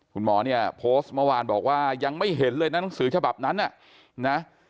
คุณหมอเนี่ยโพสต์เมื่อวานบอกว่ายังไม่เห็นเลยนะหนังสือฉบับนั้นน่ะนะ